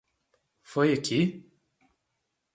Foi aqui?